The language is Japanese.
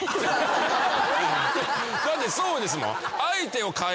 だってそうですもん。